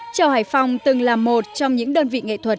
trèo hải phòng từng là một trong những đơn vị nghệ thuật